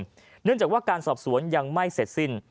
เนื่องจากว่าการสอบสวนยังไม่เสร็จสิ้น